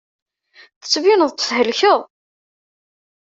Tettbineḍ-d thelkeḍ.